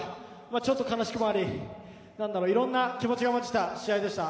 ちょっと悲しくもありいろんな気持ちが混じった試合でした。